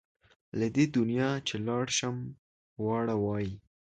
له دې دنیا چې لاړ شم واړه وایي.